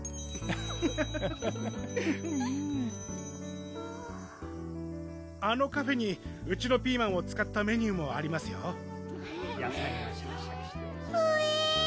フフフあのカフェにうちのピーマンを使ったメニューもありますよほえ